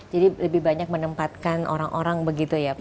jadi lebih banyak menempatkan orang orang begitu ya pak